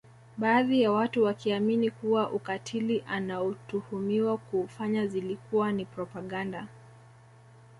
Baadhi ya watu wakiamini kuwa ukatili anaotuhumiwa kuufanya zilikuwa ni propaganda